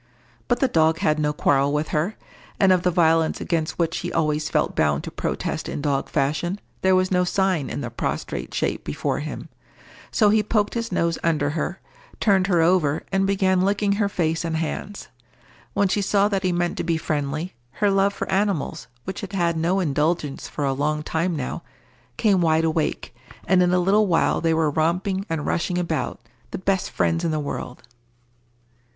But the dog had no quarrel with her, and of the violence against which he always felt bound to protest in dog fashion, there was no sign in the prostrate shape before him; so he poked his nose under her, turned her over, and began licking her face and hands. When she saw that he meant to be friendly, her love for animals, which had had no indulgence for a long time now, came wide awake, and in a little while they were romping and rushing about, the best friends in the world.